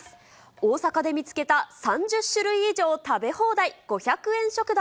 大阪で見つけた３０種類以上食べ放題、５００円食堂。